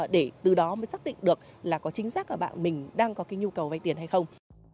để từ đó mới xác định được là có chính xác là bạn mình đang có cái nhu cầu vay tiền hay không